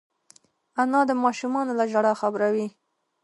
انا د ماشومانو له ژړا خبروي